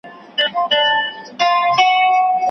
رېزمرېز به یې پر مځکه وي هډونه.